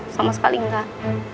sama sekali gak